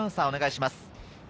お願いします。